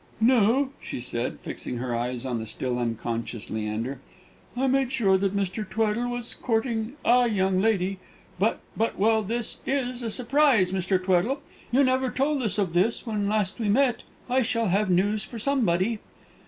"No," she said, fixing her eyes on the still unconscious Leander; "I made sure that Mr. Tweddle was courting a young lady, but but well, this is a surprise, Mr. Tweddle! You never told us of this when last we met. I shall have news for somebody!"